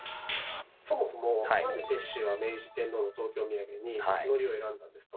そもそもなんで鉄舟は明治天皇の東京みやげに「のり」を選んだんですか？